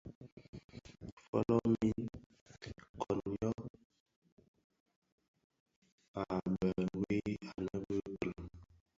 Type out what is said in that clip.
Fölö min, koň йyô a bë ňwi anë bi kilon.